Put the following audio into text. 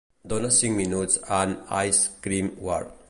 Dona cinc punts a An Ice-Cream War.